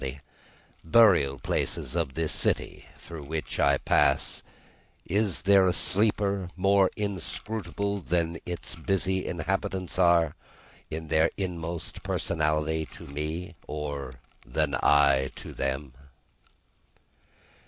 In any of the burial places of this city through which I pass, is there a sleeper more inscrutable than its busy inhabitants are, in their innermost personality, to me, or than I am to them?